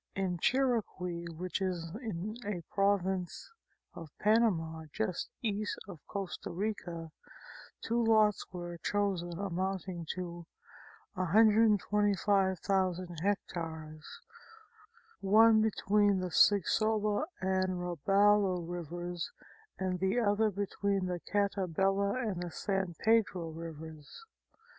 In Chiriqui, which is a Province of Panama just east of Costa Rica, two lots were chosen amounting to 125,000 hectares, one between the Sigsola and Rabalo rivers, and the other between the Catabella and San Pedro rivers.